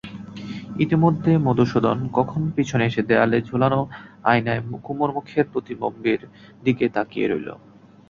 ইতিমধ্যে মধুসূদন কখন পিছনে এসে দেয়ালে-ঝোলানো আয়নায় কুমুর মুখের প্রতিবিম্বের দিকে তাকিয়ে রইল।